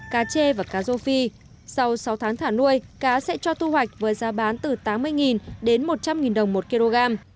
cá chê và cá rô phi sau sáu tháng thả nuôi cá sẽ cho thu hoạch với giá bán từ tám mươi đến một trăm linh đồng một kg